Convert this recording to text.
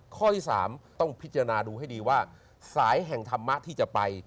ข้อที่๓ต้องพิจารณาดูให้ดีว่าสายแห่งธรรมะที่จะไป